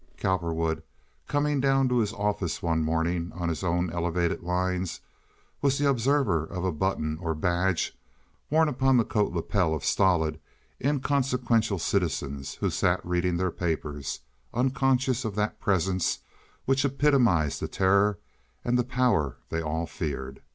Cowperwood, coming down to his office one morning on his own elevated lines, was the observer of a button or badge worn upon the coat lapel of stolid, inconsequential citizens who sat reading their papers, unconscious of that presence which epitomized the terror and the power they all feared.